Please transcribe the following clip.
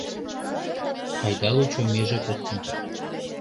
Айда лучо меже коктын